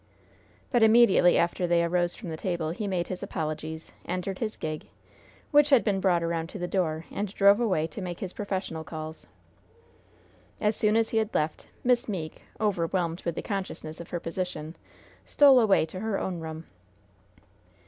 But immediately after they arose from the table he made his apologies, entered his gig, which had been brought around to the door, and drove away to make his professional calls. As soon as he had left, Miss Meeke, overwhelmed with the consciousness of her position, stole away to her own room.